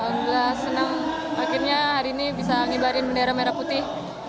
alhamdulillah senang akhirnya hari ini bisa mengibarin bendera merah putih